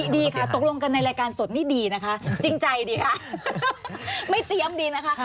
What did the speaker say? ดีค่ะตกลงกันในรายการสดนี่ดีนะคะจริงใจดีค่ะไม่เตรียมดีนะคะ